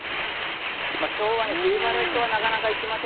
今日は冬晴れとはなかなかいきません。